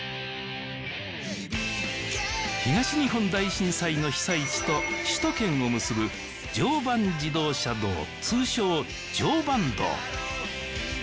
東日本大震災の被災地と首都圏を結ぶ通称常磐道